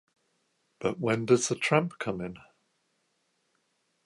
But when does the tramp come in?